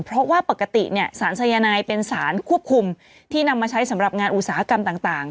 เพราะว่าปกติเนี่ยสารสายนายเป็นสารควบคุมที่นำมาใช้สำหรับงานอุตสาหกรรมต่าง